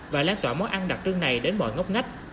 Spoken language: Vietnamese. và lan tỏa món ăn đặc trưng này đến mọi ngóc ngách